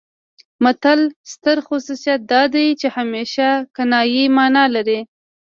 د متل ستر خصوصیت دا دی چې همیشه کنايي مانا لري